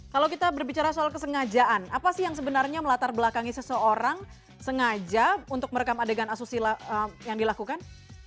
kalau kita berbicara soal kesengajaan apa sih yang sebenarnya melatar belakangi seseorang sengaja untuk merekam adegan asusila yang dilakukan